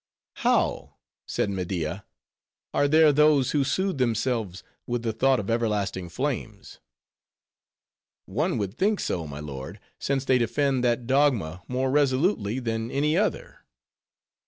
"How?" said Media; "are there those who soothe themselves with the thought of everlasting flames?" "One would think so, my lord, since they defend that dogma more resolutely than any other.